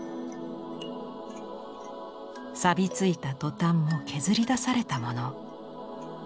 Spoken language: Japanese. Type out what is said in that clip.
さび付いたトタンも削り出されたもの。